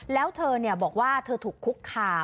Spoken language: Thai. แล้วเธอบอกว่าเธอถูกคุกคาม